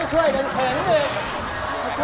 ของตรงนี้ไง